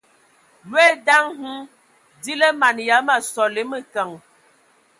Loe daan hm di lǝ mana ya ma sole mǝkǝŋ.